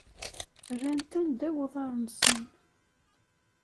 Rran-ten ddaw uḍar-nsen.